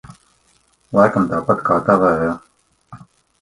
Laikam tāpat kā tavējā?